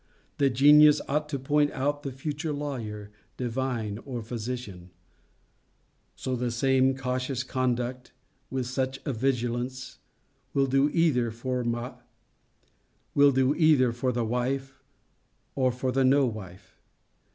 The genius ought to point out the future lawyer, divine, or physician! So the same cautious conduct, with such a vigilance, will do either for the wife, or for the no wife.